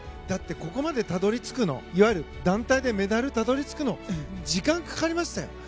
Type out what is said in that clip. だってここまでたどり着くのいわゆる団体でメダルにたどり着くの時間がかかりましたよ。